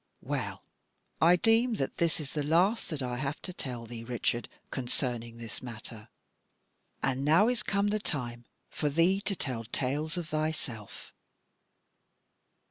Well, I deem that this is the last that I have to tell thee, Richard, concerning this matter: and now is come the time for thee to tell tales of thyself.'